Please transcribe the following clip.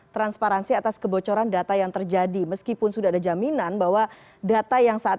transparansi atas kebocoran data yang terjadi meskipun sudah ada jaminan bahwa data yang saat